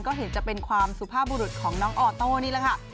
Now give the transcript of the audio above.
ก็เห็นจะเป็นความสุภาพบุรุษของน้องออโต้นี่แหละค่ะ